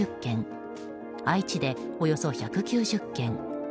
愛知でおよそ１９０件。